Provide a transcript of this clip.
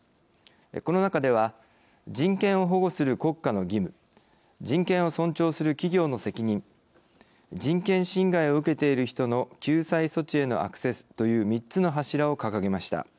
この中では「人権を保護する国家の義務」「人権を尊重する企業の責任」人権侵害を受けている人の「救済措置へのアクセス」という３つの柱を掲げました。